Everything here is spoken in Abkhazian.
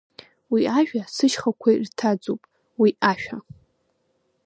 Уи ажәа сышьхақәа ирҭаӡуп, уи ашәа…